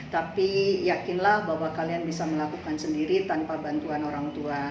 tapi yakinlah bahwa kalian bisa melakukan sendiri tanpa bantuan orang tua